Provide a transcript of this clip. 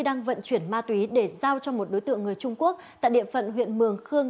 đang vận chuyển ma túy để giao cho một đối tượng người trung quốc tại địa phận huyện mường khương